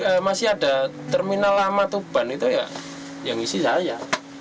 kalau masih ada terminal lama tuh ban itu ya yang isi saya